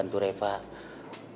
untuk melupakan masalahnya